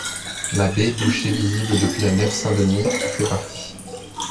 La baie bouchée visible depuis la nef Saint-Denis en fait partie.